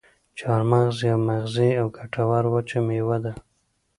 چارمغز یوه مغذي او ګټوره وچه میوه ده.